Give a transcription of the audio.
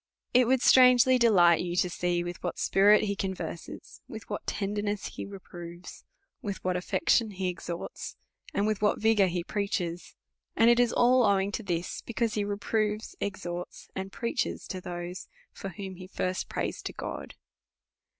It would strangely de light you to see with what spirit he converses, with what tenderness he reproves, with what affection he exhorts, and with what vigour he preaches ; and it is all owing to this, because he reproves, exhorts, and preaches to those for whom he first prays to God.